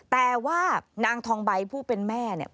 แต่ว่านางทองใบผู้เป็นแม่เนี่ย